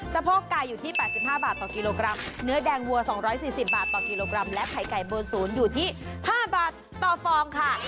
โพกไก่อยู่ที่๘๕บาทต่อกิโลกรัมเนื้อแดงวัว๒๔๐บาทต่อกิโลกรัมและไข่ไก่เบอร์ศูนย์อยู่ที่๕บาทต่อฟองค่ะ